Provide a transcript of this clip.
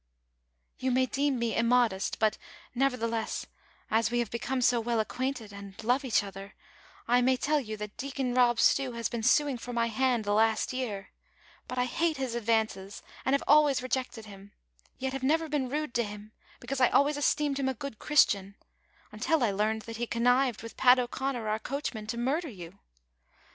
" You may deem me immodest, but, nevertheless, as we have become so well acquainted and love each other, I may tell you that Deacon Fob Stew has been suing for my hand the last year ; but, I hate his advances, and have always rejected him, yet have never been rude to him, because I always esteemed him a good Christian, until I learned that he connived with Fat O'Connor, our coachman, to murder you.